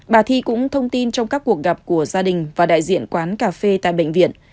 bà thi cũng thông tin trong các cuộc gặp của gia đình và đại diện quán cà phê tại bệnh viện